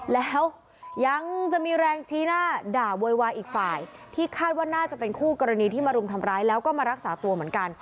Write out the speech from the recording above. แล้วยังจะมีแรงชี้หน้าด่าโวยวายอีกฝ่ายที่คาดว่าน่าจะเป็นคู่กรณีที่มารุมทำร้ายแล้วก็มารักษาตัวเหมือนกัน